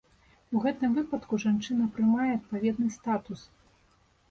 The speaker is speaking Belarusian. У гэтым выпадку жанчына прымае адпаведны статус.